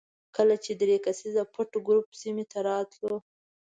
کله چې درې کسیز پټ ګروپ سیمې ته راتلو.